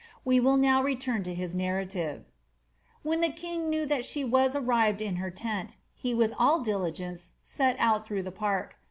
We will now return to his narrative. ^ When the kin^ knew that she wu arrived in her tent, he with all diligence set out through the park.